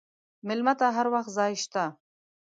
مېلمه ته هر وخت ځای شته.